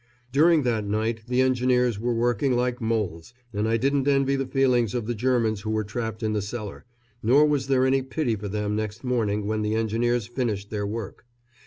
During that night the engineers were working like moles, and I didn't envy the feelings of the Germans who were trapped in the cellar, nor was there any pity for them next morning when the engineers finished their work.